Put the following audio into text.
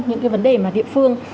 những cái vấn đề mà địa phương